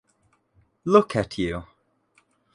Look at you.